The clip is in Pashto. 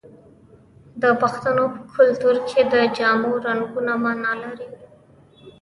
د پښتنو په کلتور کې د جامو رنګونه مانا لري.